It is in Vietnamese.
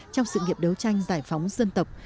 trong sự nghiệp đấu tranh giải phóng dân tộc